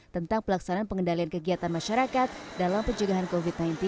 tentang pelaksanaan pengendalian kegiatan masyarakat dalam penjagaan covid sembilan belas